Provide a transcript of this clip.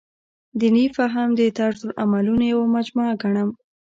دیني فهم د طرزالعملونو یوه مجموعه ګڼم.